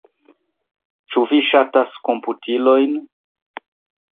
Ĉu vi ŝatas komputilojn?